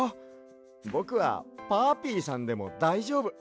ぼくはパーピーさんでもだいじょうぶ！